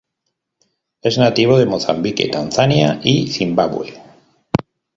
Es nativo de Mozambique, Tanzania, y Zimbabue.